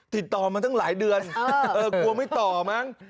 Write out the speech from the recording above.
ติดต่อมาตั้งหลายเดือนกลัวไม่ต่อมั้ง